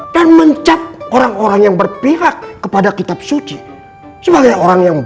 dan mencapai orang orang yang berpihak kepada kitab suci sebagai orang yang